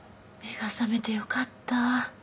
目が覚めてよかった。